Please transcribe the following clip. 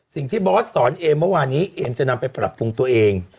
บอสสอนเอมเมื่อวานี้เอมจะนำไปปรับปรุงตัวเอง